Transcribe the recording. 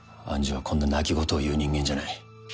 愛珠はこんな泣き言を言う人間じゃない。